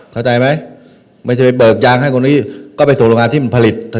เข้าใจไหมไม่ใช่ไปเบิกยางให้คนนี้ก็ไปสู่โรงงานที่มันผลิต